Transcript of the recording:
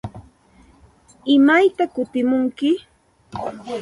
¿Imaytaq kutimunki?